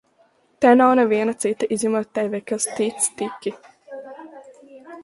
Te nav neviena cita, izņemot tevi, kas tic Tiki!